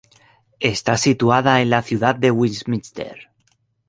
Está situada en la Ciudad de Westminster.